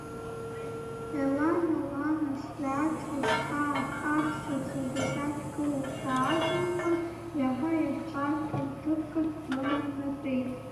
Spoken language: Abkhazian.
Елана лан Асиаҭ лыԥҳа аԥсаҵла дахьадгылаз даадылхын иаҳа иахьбарҭаз ҭыԥкаҿ длыман днатәеит.